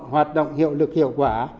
hoạt động hiệu lực hiệu quả